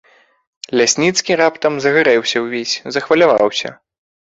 Лясніцкі раптам загарэўся ўвесь, захваляваўся.